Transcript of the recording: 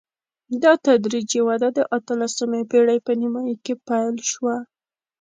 دا تدریجي وده د اتلسمې پېړۍ په نیمايي کې پیل شوه.